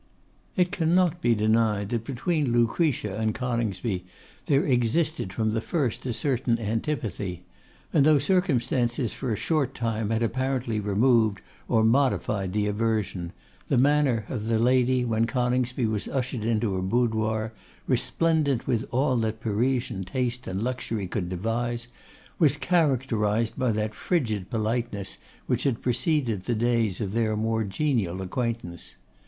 It cannot be denied that between Lucretia and Coningsby there existed from the first a certain antipathy; and though circumstances for a short time had apparently removed or modified the aversion, the manner of the lady when Coningsby was ushered into her boudoir, resplendent with all that Parisian taste and luxury could devise, was characterised by that frigid politeness which had preceded the days of their more genial acquaintance.